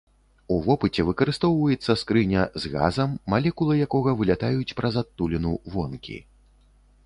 У вопыце выкарыстоўваецца скрыня з газам, малекулы якога вылятаюць праз адтуліну вонкі.